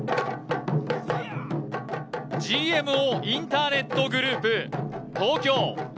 ＧＭＯインターネットグループ・東京。